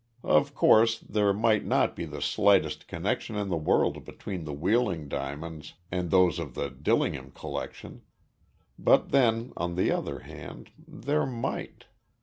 Of course, there might not be the slightest connection in the world between the Wheeling diamonds and those of the Dillingham collection but then, on the other hand, there might....